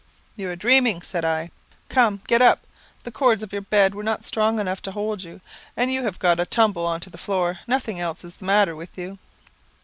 "You are dreaming," said I; "come, get up. The cords of your bed were not strong enough to hold you, and you have got a tumble on to the floor; nothing else is the matter with you."